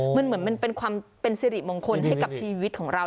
มันเหมือนมันเป็นความเป็นสิริมงคลให้กับชีวิตของเรา